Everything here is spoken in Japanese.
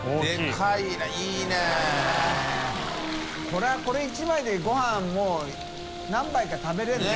海譴これ１枚でご飯もう何杯か食べれるね。